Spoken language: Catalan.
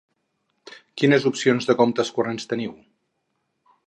Quines opcions de comptes corrents teniu?